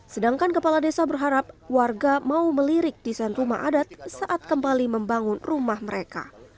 sedangkan kepala desa berharap warga mau melirik desain rumah adat saat kembali membangun rumah mereka